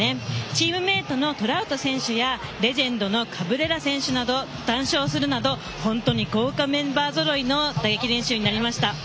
チームメートの、トラウト選手やレジェンドのカブレーラ選手と談笑するなど豪華メンバーぞろいの打撃練習になりました。